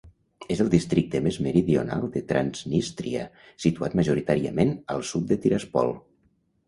És el districte més meridional de Transnistria, situat majoritàriament al sud de Tiraspol.